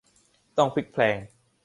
ต้องพลิกแพลง